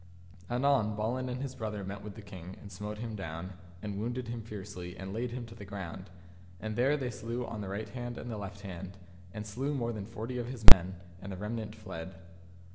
Anon Balin and his brother met with the king, and smote him down, and wounded him fiercely, and laid him to the ground; and there they slew on the right hand and the left hand, and slew more than forty of his men, and the remnant fled.